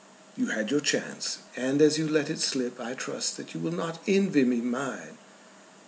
You had your chance, and as you let it slip I trust that you will not envy me mine."